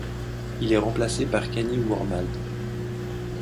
Il est remplacé par Kenny Wormald.